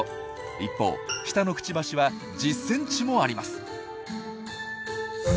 一方下のクチバシは１０ｃｍもあります！